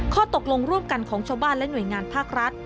ข้อตกลงร่วมกันของชาวบ้านและหน่วยงานภาครัฐ